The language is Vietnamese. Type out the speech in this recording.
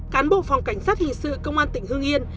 cán bộ phòng cảnh sát hình sự công an tỉnh hương yên